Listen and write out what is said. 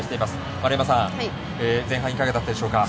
丸山さん、前半いかがだったでしょうか。